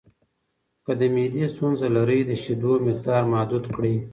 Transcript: که د معدې ستونزه لرئ، د شیدو مقدار محدود کړئ.